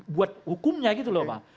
buat hukumnya gitu loh pak